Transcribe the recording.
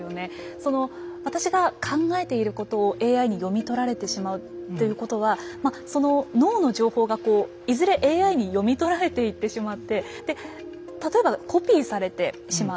その私が考えていることをＡＩに読み取られてしまうということはその脳の情報がこういずれＡＩに読み取られていってしまってで例えばコピーされてしまう。